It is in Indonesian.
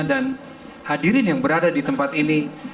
dan hadirin yang berada di tempat ini